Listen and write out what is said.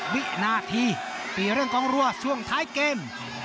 วินาทีปีเร่งกองรัวช่วงท้ายเกม